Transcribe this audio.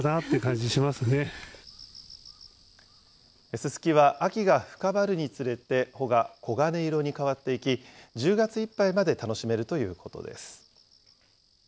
ススキは秋が深まるにつれて、穂が黄金色に変わっていき、１０月いっぱいまで楽しめるということです。